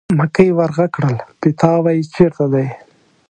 مکۍ ور غږ کړل: پیتاوی چېرته دی.